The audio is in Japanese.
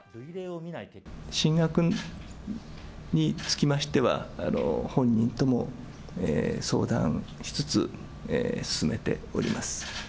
進学につきましては、本人とも相談しつつ、進めております。